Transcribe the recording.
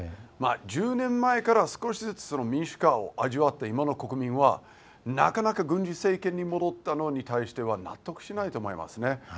１０年前から少しずつ民主化を味わった今の国民はなかなか軍事政権に戻ったのに対しては納得しないと思いますね。